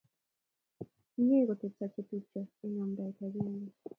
Myee koteptos chetupcho eng' amndaet akenge.